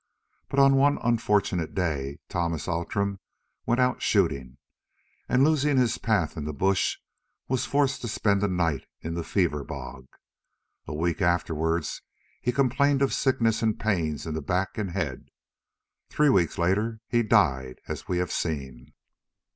But on one unfortunate day Thomas Outram went out shooting, and losing his path in the bush was forced to spend a night in the fever fog. A week afterwards he complained of sickness and pains in the back and head—three weeks later he died as we have seen.